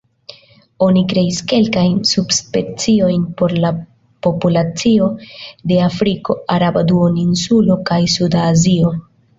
Oni kreis kelkajn subspeciojn por la populacioj de Afriko, Araba Duoninsulo kaj Suda Azio.